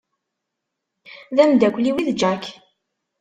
D amdakel-iw i d Jack.